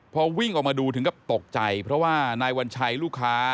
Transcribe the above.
พอวิ่งออกมาดูถึงกับตกใจเพราะว่านายวัญชัยลูกค้า